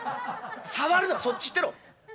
触るなそっち行ってろ！」。